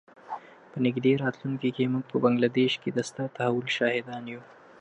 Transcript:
په نږدې ماضي کې موږ په بنګله دېش کې د ستر تحول شاهدان یو.